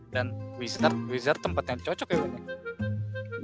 dan wizards tempatnya cocok ya bener